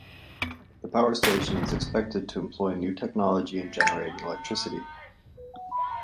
The power station is expected to employ new technology in generating electricity.